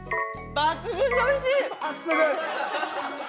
抜群においしい！